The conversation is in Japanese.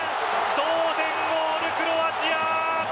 同点ゴール、クロアチア。